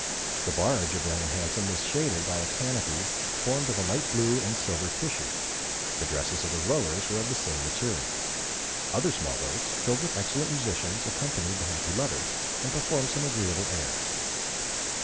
The barge of Young and Handsome was shaded by a canopy formed of a light blue and silver tissue. The dresses of the rowers were of the same material. Other small boats, filled with excellent musicians, accompanied the happy lovers, and performed some agreeable airs.